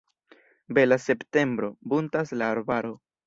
Bela septembro - buntas la arbaro.